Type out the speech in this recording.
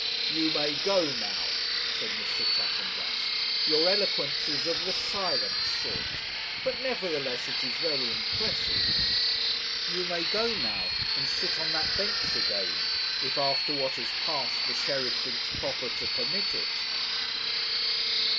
'You may go now,' said Mr. Chaffanbrass. 'Your eloquence is of the silent sort; but, nevertheless, it is very impressive. You may go now, and sit on that bench again, if, after what has passed, the sheriff thinks proper to permit it.'